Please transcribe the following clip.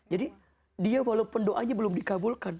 jadi dia walaupun doanya belum dikabulkan